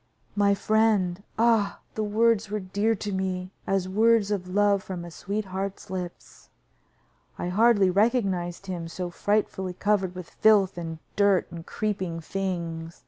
"My friend!" Ah! the words were dear to me as words of love from a sweetheart's lips. I hardly recognized him, he was so frightfully covered with filth and dirt and creeping things.